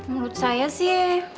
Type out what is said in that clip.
menurut saya sih